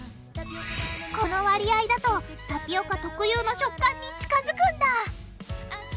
この割合だとタピオカ特有の食感に近づくんだ！